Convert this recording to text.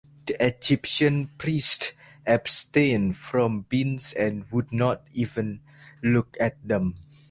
The Egyptian priests abstained from beans and would not even look at them.